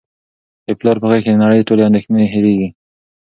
د پلار په غیږ کي د نړۍ ټولې اندېښنې هیرېږي.